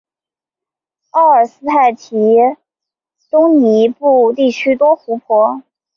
奥克施泰提亚东部地区多湖泊。